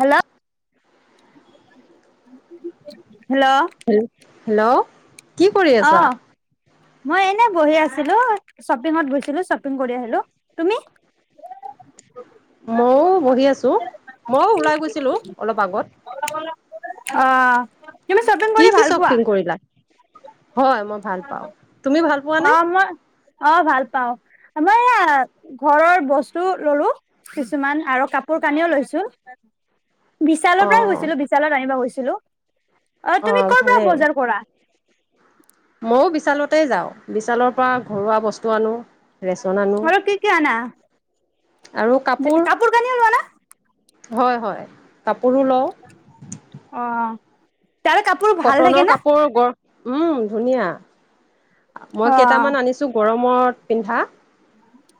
Hello hello hello কি কৰি অ আছা মই এনে বহি আছিলো শ্বপিঙত বৈছিলো শ্বপিং কৰি আহিলো তুমি মইও বহি আছো মইও ওলাই গৈছিলো অলপ আগত অ তুমি শ্বপিং কি কৰি কি ভাল পোৱা শ্বকিং কৰিলা হয় মই ভাল পাওঁ তুমি ভাল অ পোৱাানে মই অ ভাল পাও মই এয়া ঘৰৰ বস্তু ললো কিছুমান আৰু কাপোৰ কানিও লৈছো বিশালৰ পৰাই অঁ গৈছিলো বিশালত আনিবা গৈছিলো হেল্লো অ তুমি অঁ কৰ'ৰ পৰা ভালেই। বজাৰ কৰা ময় বিশালতে যাওঁ বিশালৰ পৰা ঘৰুৱা বস্তু আনো ৰেচন আনো আৰু কি ক ন কাপোৰ কনেলোৱা না হয় হয় ত অ তাৰে কাপোৰ ভাল থাকে কটনৰ না কাপোৰ গ উম, ধুনীয়া। অ মই কেইটামান আনিছো গৰম। ত পিন্ধা।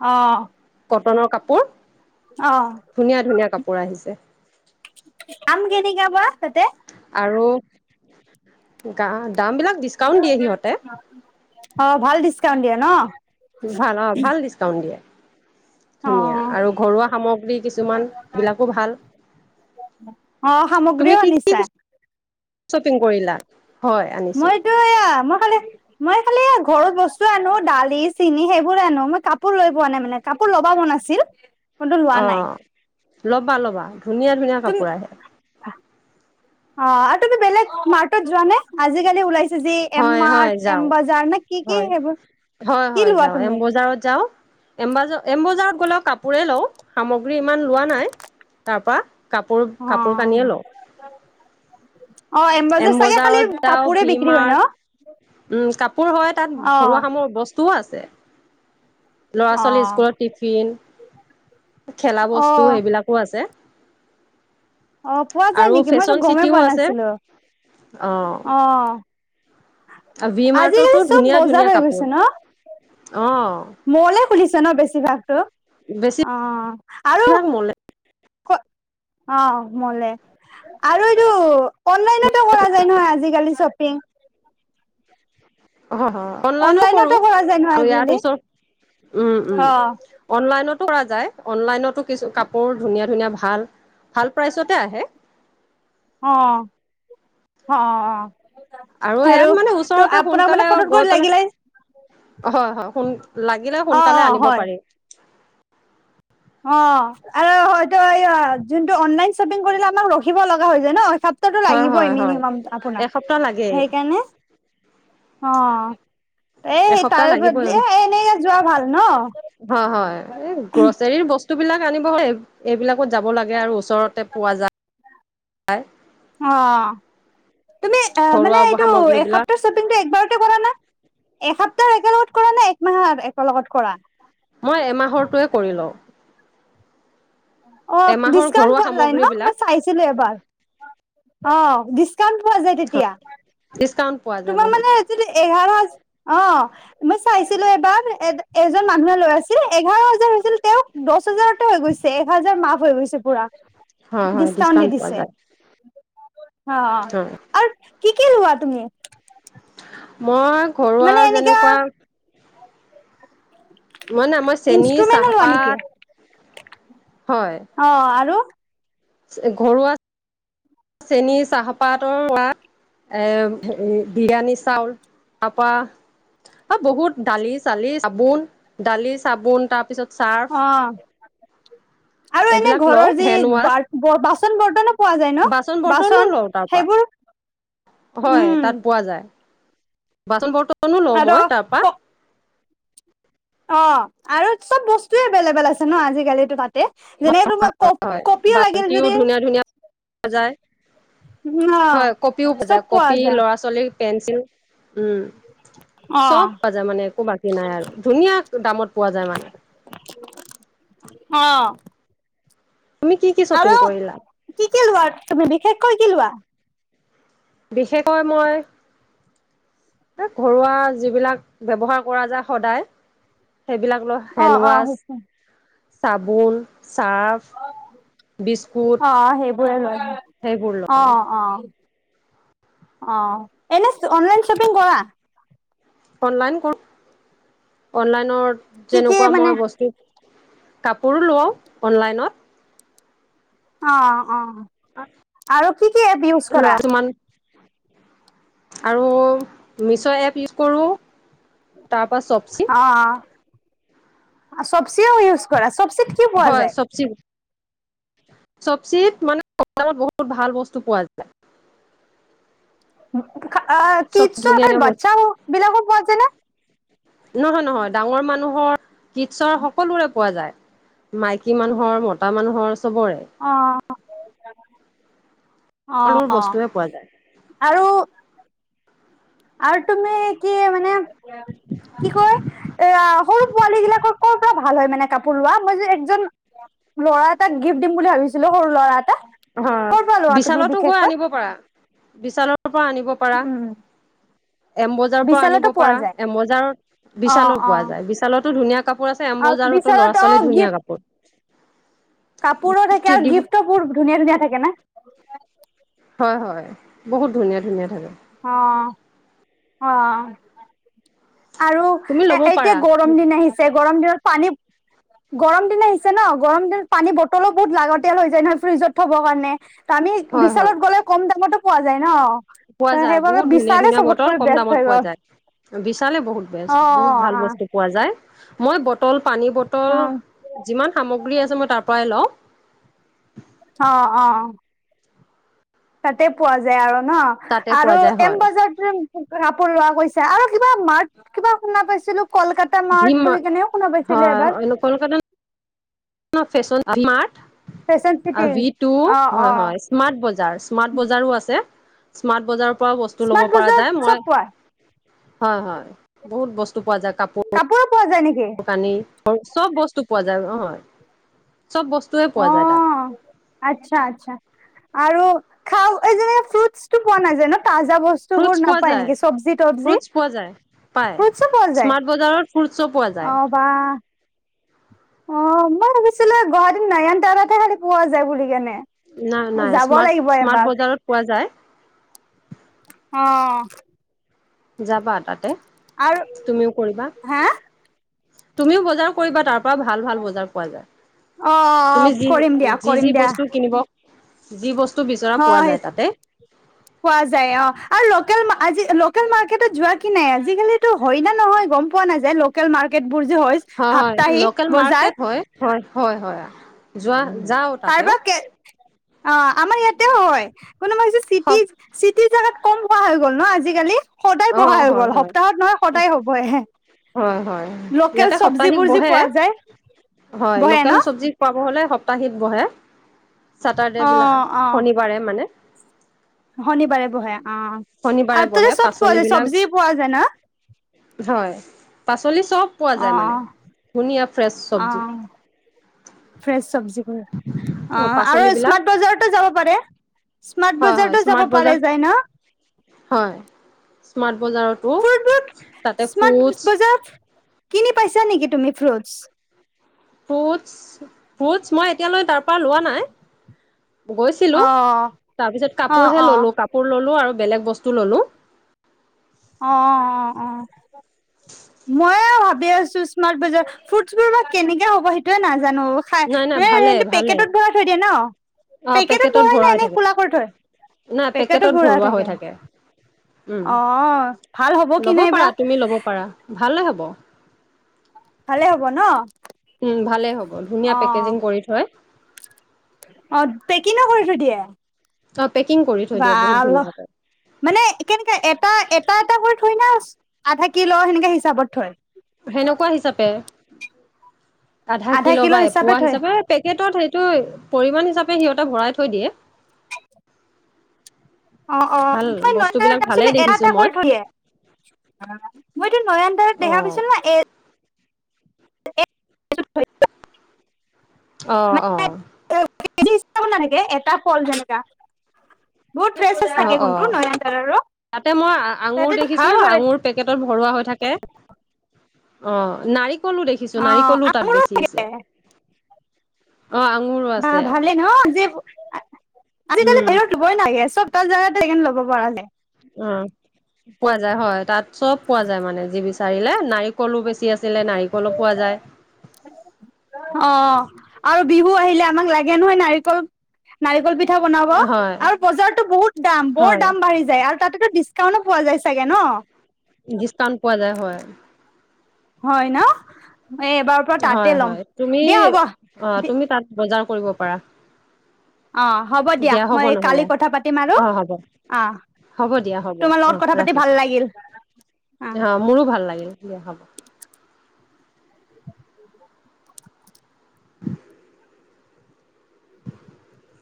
হ কটনৰ কাপোৰ। ধুনীয়া-ধুনীয়া কাপোৰ। পৰা আহিছে। আম কেনেকে বা তাতে আৰু গা দামবিলাক ডিচকাউণ্ট দিয়ে সিহঁতে। অ ভাল ডিচকাউন্ট দিয়ে। ন। ভাল অ ভাল ডিচকাউন্ট দিয়ে। ধুনীয়া অ আৰু ঘৰুৱা সামগ্ৰী কিছুমান বিলাকো ভাল অ তুমি সামগ্ৰীও কি-কি আনিছা কৈছ, শ্বপিং কৰিলা। হয় আনিছো মইতো এয়া মই খালি মই খালি ঘৰত বস্তু আনো দালি চিনি, সেইবোৰৰে আনো মই কাপোৰ লৈ পোৱা নাই মানে কাপোৰ লবা মন আছিল। কিন্তু লোৱা নাই। ল'বা-ল'বা। ধুনীয়া-ধুনীয়া তুমি কাপোৰ আহে। অ আৰু তুমি বেলেগ মাৰ্টত যোৱা নে আজিকালি ওলাইছ যে এম হয় হয় মাৰ্ত, এম যাওঁ বজাৰ নে কি-কি হয় সেইবোৰ হয় কি হয় লোৱা যাওঁ এম তুমি? বজাৰত যাওঁ এম বাজাৰত, এমবজাৰত গ'লেও কাপোৰে লওঁ সামগ্ৰী ইমান লোৱা নাই তাৰ পৰা অ কাপোৰ-কাপোৰ কানিয়ে লওঁ। অ এম বজাৰ চাগে খালি বজাৰত যাও, কাপোৰে ভি বিক্ৰী হয় ন মাৰ্ট, উম' কাপোৰ হয় তাত অ ঘৰুৱা সামহ বস্তু। টো আছে। ল'ৰা অ ছোৱালীৰ স্কুলৰ টিফিন। খেলা অ বস্তু সেইবিলাকো আছে। অ পোৱা যায় নেকি মইতো গমেই পোৱা নাছিলো। অহ, অ আজিকালি চব ধুনীয়া বজাৰ ধুনীয়া হৈ কাপোৰ গৈছে ন অ মলে খুলিছে ন বেছিভাগতো বেছিভাগ অ' আৰু। মলে অ' মলে আৰু এইটো অনলাইনতো কৰা যায় নহয় আজিকালি শ্বপিং।। [unintelligible] হয় অনলাইনো কৰো অনলাইনতো কৰা যায় নহয় আমি ইয়াত আজিকালি ওচৰ উ'ম উ'ম অ অনলাইনত অনলাইনতো কিছু কাপোৰ ধুনীয়া ধুনীয়া ভাল, ভাল প্ৰাইচতে আহে। অ' অ' অ' ইয়াত আৰু মানে ত ওচৰতে আপোনাক সোনকালে মানে ফটোত গৈ কৰি পেলাই লাগিলে। হয়, হয় সোন লাগিলে অ সোনকালে অ আনিব হয় পাৰি। অ' আৰু হয়তো এই হয় লাগিবই হয় হয় মিনিমাম আপোনাক এসপ্তাহ লাগেই সেইকাৰণে অ' এ! এসপ্তাহ তাৰে বদলি লাগিবই এনেকে যোৱা ভাল ন। এ! গ্ৰচৰীৰ বস্তু বিলাক আনিব এইবিলাক ত যাব লাগে আৰু ওচৰতে পোৱা যায়। হয়। অ' তুমি ঘৰুৱা মানে এইটো সামগ্ৰীবিলাক এসপ্তৰ শ্বপিংটো একবাৰতে কৰা না এসপ্তাহ একেলগত কৰা না একমাহৰ একেলগত কৰা। মই এমাহৰটোৱে কৰি লওঁ। অ এমাহৰ ডিচকাউণ্ট ঘৰুৱা পোৱা যাই ন সামগ্ৰীবিলাক মই চাইছিলো এবাৰ। অ' ডিচকাউণ্ট পোৱা যায় তেতিয়া ডিকাউণ্ট পোৱা যায় তোমাৰ বহুত। মানে যদি এঘাৰ হাজাৰ অ' মই চাইছিলো এবাৰ এজন মানুহে ল আছিল এঘাৰ হাজাৰ হৈছিল তেওঁক দচ দহাজাৰ হৈ গৈছে এ হাজাৰ মাফ হৈ গৈছে পুৰা হয় হয় ডিচকাউন্ট দি ডিছকাউণ্ট পোৱা দিছে যায় অ' হয় আৰু কি কি লোৱা তুমি মই ঘৰুৱা মানে এনেকা যেনেকুৱা মই নাই চেনী ইনষ্ট্ৰুমেন্ট লোৱা নেকি চাহপাত অ 'আৰু ঘৰুয়া - চেনী চাহপাতৰ পৰা এ হে বিৰিয়ানী চাউল তাৰ পৰা বহুত দালি -চালি চাবোন দালি চাবোন তাৰ অ' আৰু এনে এইবিলাক লওঁ ঘৰৰ যি হেণ্ড ৱাছ বাচন বৰ্তনো পোৱা যায়। বৰ্তনো বাচন লওঁ তাৰ পৰা সেইবোৰ হয় উম তাত পোৱা যায় [unintelligible] বাচন বৰ্ত- হেল কো অ আৰু চব বস্তুে এভেইলেবল আছে ন আজিকালিো তাতে যেনে তোমাৰ ক হয় কপিও লাগিল বাল্টিও যদি [inaudible] ধুনীয়া ধুনীয়া পোৱা যায় অ হয় কপিও চব পজায় পোৱা কপি যায় ল'ৰা ছোৱালীৰ পেন্ঞ্চিল উম অ চব পোৱা যায় মানে একো বাকী নাই আৰু ধুনীয়া দামত পোৱা যায় মানে [inaudible] অ তুমি কি কি শ্বপিং আৰু কৰিলা কি কি লোৱা তুমি বিশেষকৈ কি লোৱা বিশেষকৈ মই ঘৰুৱা যিবিলাক ব্য্ৱহাৰ কৰা যায় সদায় সেইবিলাক লৈ অ অ সেই হেণ্ডৱাছ চাবন অ সেইবোৰে লয় সেইবোৰ অ লওঁ অ অ এনে অনলাইন চপিং কৰা অনলাইন কৰো অনলাইনৰ কি কি যেনেকুৱা মানে মই বস্তু কাপোৰো লওঁ অনলাইনত অ অ আৰু কি কি এপ ইউজ লৰা কৰা কিছুমান আৰু মিছ' এপ ইউজ কৰোঁ তাৰপৰা চবচি অ আছব চবিও ইউজ কৰা চবচিত কি পোৱা হয় যায় চবচি চবচিত মানেত বহুত ভাল বস্তু পোৱা যায় উ চব কিটচন ধুনীয়া খাল ধুনীয়া বস্তু বাচ্ছাও বিলাকো পোৱা যায় ন কিীটছৰ সকলোৰে পোৱা যায় মাইকী মানুহৰ মতা মানুহৰ চবৰে অ অ সৰু মোৰ বস্তুৱে পোৱা যায় আৰু আৰু তুমি কি মানে কি কয় এ সৰু পোৱালী বিিলাকৰ ক'ৰ পৰা ভাল হয় মানে কাপোৰ লোৱা মই যে এজন ল'ৰা এাক গিফ্ট দিম বুলি ভাবিছিলো সৰু ল'ৰা এটা অ ক'ৰ পৰা লোৱা তুমি বিশালতো গৈ বিশেষকৈ আনিব পাৰা বিশালৰ পৰা আনিব পাৰা। উম এমবজাৰৰ পৰা আনিব বিশালতো পোৱা পাৰা যায় এমবজাৰত অ বিশালৰ অ পোৱা যায় বিশালতো ধুনীয়া কাপোৰ আছে অ এমবজাৰতো বিশালত ল'ৰা অ ছোৱালীৰ ধুনীয়া গিফ্ট কাপোৰ। কাপোৰো থাকে আৰু গিফ্টো বোৰ ধুনীয়া ধুনীয়া থাকে না। হয় -হয় বহুত ধুনীয়া ধুনীয়া থাকে অ' অ' আৰু তুমি এ ল'ব এতিয়া পাৰা গৰম দিন আহিছে গৰম দিনত। পানী গৰম দিনে আহিছে ন গৰম দিনত পানী বটলো বহুত লাগতিয়াল হৈ যায় নহয় ফ্ৰিজত থ'ব কাৰণে। আমি হয় হয় বিশালত গ'লে কম দামতো। পোৱা যায় ন' পোৱা ত যায় সেইবাবে বহুত ধুনীয়া বিচাৰে ধুনীয়া চবত বটল কৰি কম বেষ্ট দামত হৈ পোৱা গ'ল যায় বিচালে বহুত। বে অ বহুত ভাল অ বস্তু পোৱা যায়। মই বটল পানী বটল অ যিমান সামগ্ৰী আছে মই তাৰ পৰাই লওঁ। অ- অ তাতে পোৱা যায় আৰু। ন তাতে পোৱা আৰু যায় এম হয় বজাৰ। কাপোৰ ৰোৱা কৈছে আৰু কিবা মাৰ কিবা শুনা পাইছিলো। কলকাতা ভীম মাৰ্ট বুলি হয় কেনেও কোনা কৈছিলে এবাৰ। ফেন মাৰ্ত ফেশ্বন চিটি ভিটো অ অ হয় হয় স্মাৰ্ট বজাৰ স্মাৰ্ট বজাৰো আছে। স্মাৰ্ট বজাৰৰ পৰাও বস্তু ল'ব স্মাৰ্ট পৰা বজাৰত যায় মই চব পোৱা হয় হয় বহুত বস্তু পোৱা যায় কাপোৰ। কাপোৰো পোৱা যায় নেকি? কাপোৰ কানি সব চব বস্তু পোৱা যায়। বজাৰ ন' অ আচ্ছা -আচ্ছা আৰু খাও এই যে ফ্ৰুটচ টো পোৱা নাই যে ন। তাজা বস্তু বোৰ ফ্ৰুটছ পোৱা নাপায় যায় নেকি চব্জি তবজি ফ্ৰুটছ পোৱা যায় পায়। ফ্ৰুটছো পোৱা যায় স্মাৰ্ট বজাৰত ফ্ৰুটছো পোৱা অ যায় 'বা অ' মই ভাবিছিলো গুৱাহাটীত নাৰন াৱালাে খালি পোৱা যায় বুলি কেনে নাই নাই যাব স্মাৰ্ট লাগিব স্মাৰ্ট এবাৰ বজাৰত পোৱা যায়। অ' যাবা তাতে। আৰু তুমিও কৰিবা হা। তুমিও বজাৰ কৰিবা তাৰ পৰা ভাল-ভাল বজাৰ পোৱা যায়। অ তুমি যি কৰিম দিয়া যি যি কৰিম দিয়া। বস্তু কিনিব যি বস্তু, বিচৰা পোৱা হয়। যায় তাতে পোৱা যায় অ' আৰু লোকেল মা আজি লোকেল মাৰ্কেটত যোৱা কি নাই আজিকালিতো হয় ন নহয় গম পোৱা নাযায় লোকেল মাৰ্কেট। বোৰ যে হৈ সাপ্তাহি বজাৰ। হয়-হয়-হয়। যোৱা যাও তাতেও। কাৰোবাৰ কে অ' আমাৰ ইয়াতেও হয়। কোনো বা সব চিটি-চিটিৰ জাগাত কম কোৱা হৈ গ'ল ন আজিকালি। সদায় বহা অ' হৈ গ'ল সপ্তাহত নহয় সদায় হ'বই হয়-হয়-হয়-হয় লোকেল ইয়াতে সপ্তাহিক চব্জিবোৰ যি বহে পোৱা যায় হয় বহে ন লোকেল চবজি পাব হলে। সপ্তাহীত বহে। চেটাৰডে অ বিলাক অ শনিবাৰে মানে। শনিবাৰে বহে। অ শনিবাৰে আৰু তাতে বহে চব পোৱা যায় পাচলিবলাক চব্জি পোৱা যায় ন হয়। পাচলি চব পোৱা যায় মানে ধুনীয়া ফ্ৰেছ অ-অ-অ চব্জি ফ্ৰেছ চবজিবোৰ অ' আৰু পাচলিবিলাক স্মাৰ্ট বজাৰতো যাব পাৰে। স্মাৰ্ট হয় হয় বজাৰতটো যাব স্মাৰ্ট পা বজাৰ যায় না। হয় স্মাৰট। বজাৰতো ফ্ৰুটবোৰ তাতে স্মাৰ্ট ফ্ৰুটছ, বজাৰত কিনি পাইছা নেকি তুমি ফ্ৰুটছ। ফুটচ-ফ্ৰুটছ মই এতিয়ালৈ তাৰ পৰা লোৱা নাই। গৈছিলো অ তাৰ পিছত অ কাপোৰহে অ ললো কাপোৰ ললো আৰু। বেলেক বস্তু ললোঁ। অ-অ-অ মই ভাবি আছো স্মাৰ্ বজাৰ ফ্ৰুটছবোৰ বা কেনেকে হ'ব সেইটোয়ে নাজ নাজানো খাই নাই নাই ভালে মানে ভালে পেকেটত ভৰা থৈ দিয়ে ন পেকেটত ভৰাই নাই এনে খোলা কৰি থৈ, নাই পেকেটত ভৰা ভৰোৱা হৈ থাকে। উম অ' ভাল হ'ব কি ল'ব নাইবা। পাৰা তুমি ল'ব পাৰা ভালে হ'ব। ভালে হব ন। উম, ভালে হ'ব ধুনীয়া অ পেকেজিং কৰি থয়। অ' পেকিংন কৰি থৈ দিয়ে। তাত ভাল ল, মানে কেনেকা এপ এটা এটা এটা কৰি থৈ না আধা কিল, সেনেকে হিচাপত থয়। সেনেকুৱা হিচাপে আধা কিলো বা পোৱা হিচাপে পেকেটত সেটো পৰিমাণ হিচাপে সিহঁতে ভৰাই থৈ দিয়ে অ অ ভাল ত বস্তুবিলাক ভালে তাৰপিছ এৰা দেখিছো এটা মই কৰি থৈ দিয়ে। টো নয়ন দাৰত অ দেখা পাইছো ন এই [unintelligible] আহ আহ। [unintelligible] এটা ফল যেনেকা। বহুত ফ্ৰেছ ফ্ৰেছ অঁ থাকে কোনটো অঁ নয়নতাৰাৰো তাতে মই আঙুৰ তাতেতো ভাল দেখিছোঁ ভেৰাইটি আঙুৰ পেকেটত ভৰোৱা হৈ থাকে। অহ নাৰিক কলো দেখিছো অ নাৰিকলো তাত আমৰো বেছিছে। বাহ ভালে নহ যে। আজিকালি উম বেৰত [unintelligible] নাগে চব। [unintelligible] অহ পোৱা যায় হয় তাত। চব পোৱা যায় মানে যি বিছা চাৰিলে নাৰিকলো বেছি আছে। ছিলে নাৰিকলো পোৱা যায়। অ আৰু বিহু আহিলে আমাক লাগে নহয় নাৰিকল নাৰিকল পি পিঠা বনাব হয় আৰু বজাৰতো বহুত দাম বৰ হয় দাম বাঢ়ি যায় আৰু তাততো ডিচকাউণ্টো পোৱা যায় চাগে ন? ডিছকাউণ্ট পোৱা যায় হয়। হয় ন? এ এইবাৰৰ পৰা তাতে হয় ল'ম হয় তুমি দিয়া হ'ব অ তুমি তাত বজাৰ। কৰিব পাৰা। অ হ'ব দিয়া হ'ব মই কালি নহলে কথা পাতিম আৰু অ হ'ব অ হ'ব দিয়া হ'ব তোমাৰ অ লগত কথা পাতি ভাল ৰাখিছো লাগিল। অ'। আহ মোৰো ভাল লাগিল দিয়া হ'ব। [unintelligible] [unintelligible]